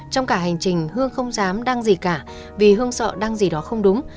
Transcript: trong cả hành trình hương không dám đăng gì cả vì hương sợ đăng gì đó không đúng